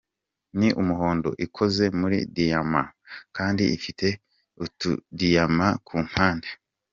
Ni umuhondo, ikoze muri diyama kandi ifite utudiyama ku mpande.